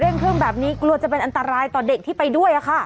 เครื่องแบบนี้กลัวจะเป็นอันตรายต่อเด็กที่ไปด้วยค่ะ